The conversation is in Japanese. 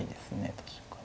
確かに。